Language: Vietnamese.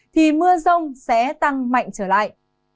thì mưa rông sẽ tăng mạnh trở lại